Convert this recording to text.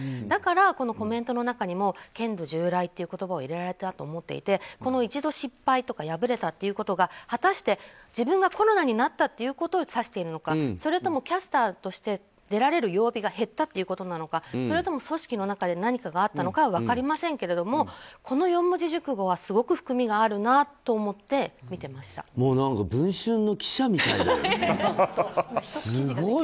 だから、このコメントの中にも捲土重来という言葉を入れられたと思っていて一度失敗とか敗れたということがはたして自分がコロナになったということを指しているのかそれともキャスターとして出られる曜日が減ったということなのかそれとも組織の中で何かがあったのか分かりませんがこの四文字熟語はすごく含みがあるなと思って「文春」の記者みたいだよね。